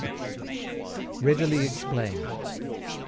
READILY EXPLAINED.